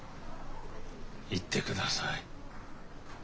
行ってください。